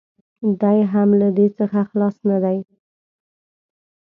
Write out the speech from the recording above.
دی هم له دې څخه خلاص نه دی.